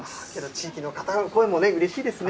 地域の方の声も、うれしいですね。